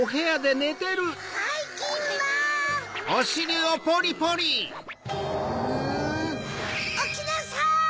おきなさい！